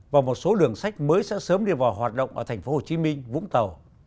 và một số đường sách mới sẽ sớm đi vào hoạt động ở tp hcm vũng tàu